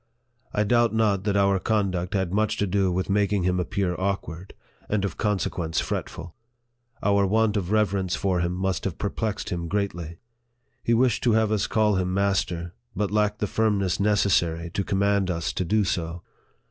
I doubt not that our conduct had much to do with making him appear awkward, and of consequence fretful. Our want of reverence for him must have perplexed him greatly. He wished to have us call him master, but lacked the firmness necessary to command us to do so.